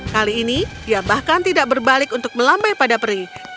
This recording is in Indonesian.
kali ini dia bahkan tidak berbalik untuk melambai pada peri